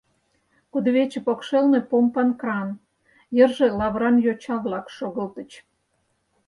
Кудывече покшелне — помпан кран, йырже лавыран йоча-влак шогылтыч.